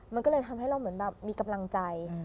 มันก็เลยทำให้เรามีกำลังใจ